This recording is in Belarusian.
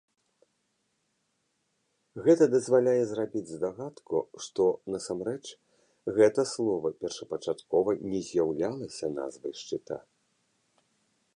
Гэта дазваляе зрабіць здагадку, што насамрэч гэта слова першапачаткова не з'яўлялася назвай шчыта.